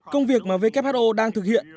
công việc mà who đang thực hiện